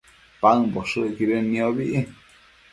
paëmboshëcquidën niobi